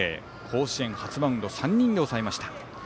甲子園初マウンドを３人で抑えました。